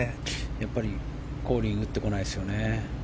やっぱりコーリー打ってこないですね。